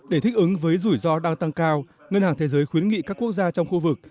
để thích ứng với rủi ro đang tăng cao ngân hàng thế giới khuyến nghị các quốc gia trong khu vực